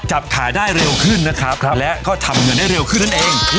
จับขายได้เร็วขึ้นนะครับและก็ทำเงินได้เร็วขึ้นนั่นเอง